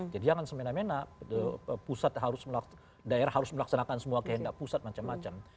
jadi jangan semena mena pusat harus melaksanakan semua kehendak pusat macam macam